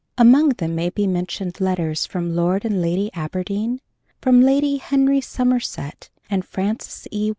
Among them may be mentioned letters from Lord and Lady Aberdeen, from Lady Henry Somerset and Frances E.